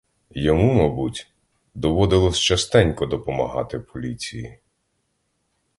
Йому, мабуть, доводилось частенько допомагати поліції.